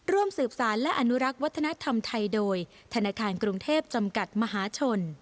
ร่วมสืบสารและอนุรักษ์วัฒนธรรมไทยโดยธนาคารกรุงเทพจำกัดมหาชน